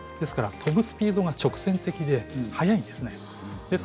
飛ぶスピードが直線的で速いんです。